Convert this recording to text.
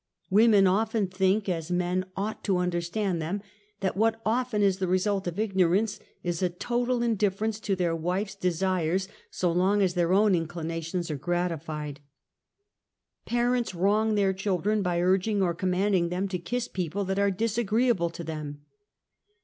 Women often think as men ouglit to understand them that what often is the result of ignorance, is a total indifference to their wife's desires, so long as their own inclina tions are gratified. Parents wrong their children by urging or com manding them to kiss people that are disagreeable ta them.